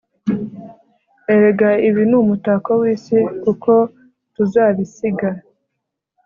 erega ibi ni umutako w'isi. kuko tuzabisiga